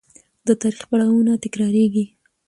د تاریخ پړاوونه تکرارېږي.